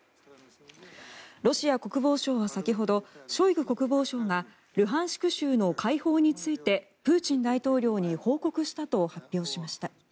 ロシア国防相は先ほどショイグ国防相がルハンシク州の解放についてプーチン大統領に報告したと発表しました。